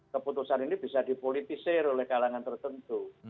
keputusan ini bisa dipolitisir oleh kalangan tertentu